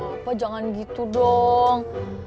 nggak papa jangan gitu dong